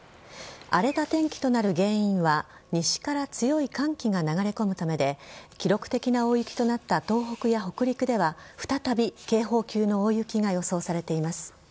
荒れた天気となる原因は西から強い寒気が流れ込むためで記録的な大雪となった東北や北陸では再び警報級の大雪が予想されています。